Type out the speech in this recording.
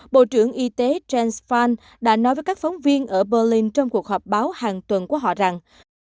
bộ trưởng y tế jens faln đã nói với các phóng viên ở berlin trong cuộc họp báo hàng tuần của họ rằng